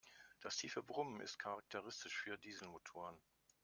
Das tiefe Brummen ist charakteristisch für Dieselmotoren.